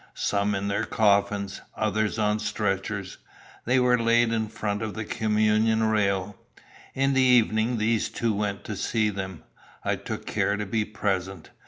Some in their coffins, others on stretchers, they were laid in front of the communion rail. In the evening these two went to see them. I took care to be present.